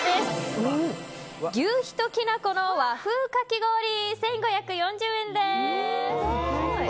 求肥ときな粉の和風かき氷１５４０円です！